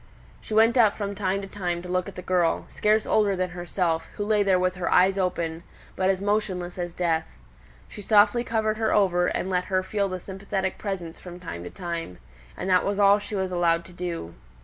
She went up from time to time to look at the girl, scarce older than herself, who lay there with her eyes open, but as motionless as death. She softly covered her over, and let her feel the sympathetic presence from time to time; and that was all she was allowed to do.